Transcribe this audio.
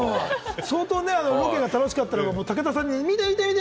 相当ロケが楽しかったのか、武田さんに見て見て！